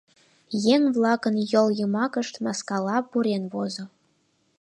Еҥ-влакын йол йымакышт маскала пурен возо.